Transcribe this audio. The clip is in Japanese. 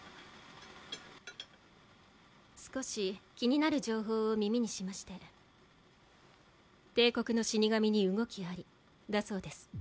少し気になる情報を耳にしまして帝国の死に神に動きありだそうです